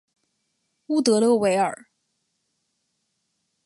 乌德勒维尔。